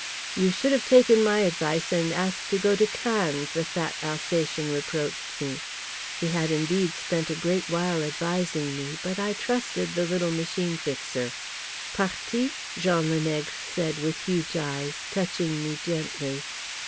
"You should have taken my advice and asked to go to Cannes," the fat Alsatian reproached me. He had indeed spent a great while advising me; but I trusted the little Machine Fixer. "Parti?" Jean le Nègre said with huge eyes, touching me gently.